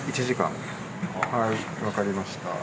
１時間、分かりました。